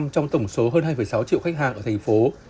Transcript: trong tổng số hơn hai sáu triệu khách hàng ở thành phố